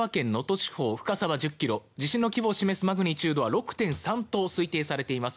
地方深さは１０ｋｍ地震の規模を示すマグニチュードは６．３と推定されています。